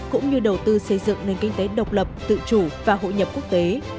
cũng như đầu tư xây dựng nền kinh tế độc lập tự chủ và hội nhập quốc tế